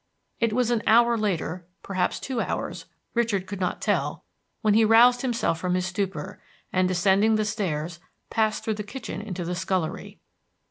It was an hour later, perhaps two hours, Richard could not tell, when he roused himself from his stupor, and descending the stairs passed through the kitchen into the scullery.